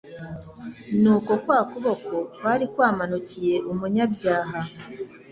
Nuko kwa kuboko kwari kwamanuye umunyabyaha